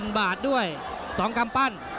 แล้วทีมงานน่าสื่อ